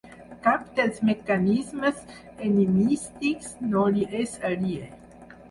Cap dels mecanismes enigmístics no li és aliè.